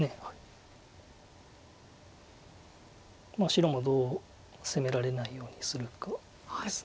白もどう攻められないようにするかです。